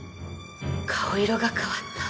顔色が変わった。